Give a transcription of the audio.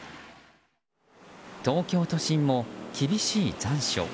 東京都心も厳しい残暑。